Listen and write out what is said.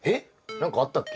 何かあったっけ？